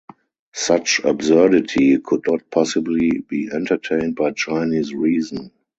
Such absurdity could not possibly be entertained by Chinese reason.